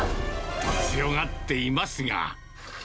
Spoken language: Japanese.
強がっていますが。